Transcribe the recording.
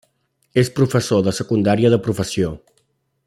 És professor de secundària de professió.